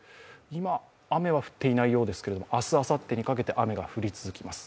今、雨は降っていないようですけれども、明日、あさってにかけて雨が降り続きます。